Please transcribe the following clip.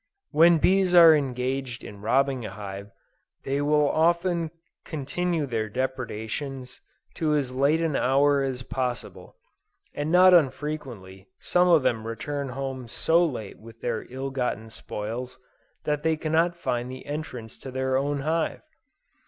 When bees are engaged in robbing a hive, they will often continue their depredations to as late an hour as possible, and not unfrequently some of them return home so late with their ill gotten spoils, that they cannot find the entrance to their own hive.